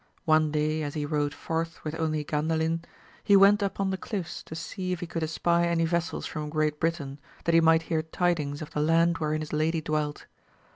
One day as he rode forth with only Gandalin, he went upon the cliffs to see if he could espy any vessels from Great Britain, that he might hear tidings of the land wherein his lady dwelt.